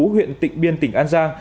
huyện tỉnh biên tỉnh an giang